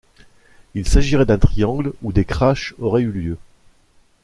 Il s'agirait d'un triangle où des crash auraient eu lieu.